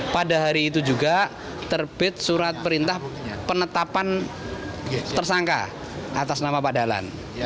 pada hari itu juga terbit surat perintah penetapan tersangka atas nama pak dalan